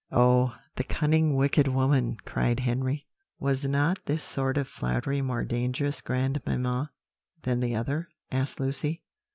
"Oh, the cunning, wicked woman!" cried Henry. "Was not this sort of flattery more dangerous, grandmamma, than the other?" asked Lucy.